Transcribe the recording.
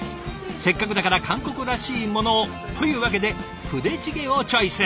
せっかくだから韓国らしいものをというわけでプデチゲをチョイス。